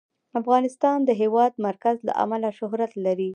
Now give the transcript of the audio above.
افغانستان د د هېواد مرکز له امله شهرت لري.